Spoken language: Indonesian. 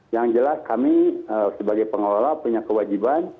yang jelas kami sebagai pengelola punya kewajiban